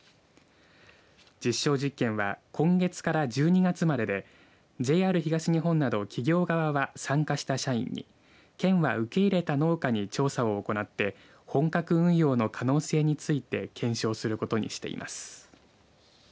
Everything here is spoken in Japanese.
実証実験は今月から１２月まででＪＲ東日本など企業側は参加した社員に県は受け入れた農家に調査を行って本格運用の可能性について検証することにしています。